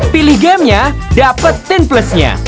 pilih gamenya dapetin plusnya